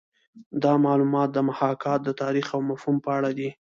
دا معلومات د محاکات د تاریخ او مفهوم په اړه دي